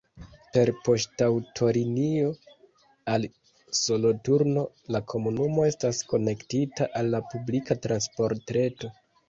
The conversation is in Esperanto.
Per poŝtaŭtolinio al Soloturno la komunumo estas konektita al la publika transportreto.